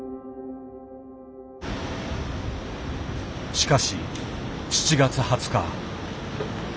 しかし７月２０日。